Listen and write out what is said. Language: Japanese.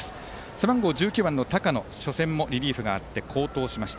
背番号１９番の高野、初戦もリリーフがあって好投しました。